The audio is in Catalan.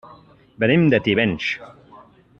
Venim de Tivenys.